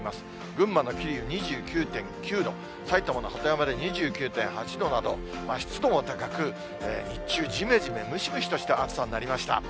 群馬の桐生２９．９度、埼玉の鳩山で２９．８度など、湿度も高く、日中、じめじめ、ムシムシとした暑さになりました。